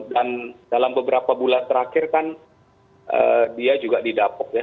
dalam beberapa bulan terakhir kan dia juga didapuk ya